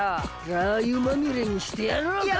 ラー油まみれにしてやろうか。